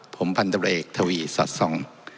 ผมพันธุระเอกทวีสัตว์สอง